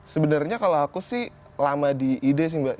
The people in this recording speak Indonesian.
sebenarnya kalau aku sih lama di ide sih mbak